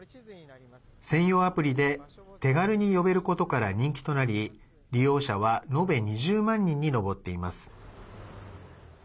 専用アプリで手軽に呼べることから人気となり利用者は延べ２０万人に上っています。